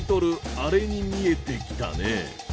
あれに見えてきたね。